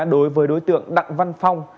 đối với đối tượng đặng văn phong